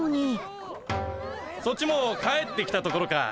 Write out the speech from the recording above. そっちも帰ってきたところか。